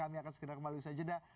kami akan segera kembali bersajidah